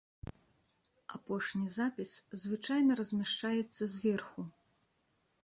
Апошні запіс звычайна размяшчаецца зверху.